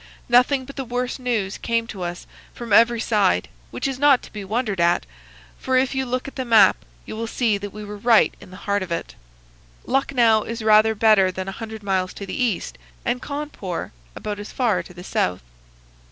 "Nothing but the worst news came to us from every side,—which is not to be wondered at, for if you look at the map you will see that we were right in the heart of it. Lucknow is rather better than a hundred miles to the east, and Cawnpore about as far to the south.